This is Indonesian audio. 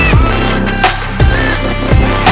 ibu sudah rela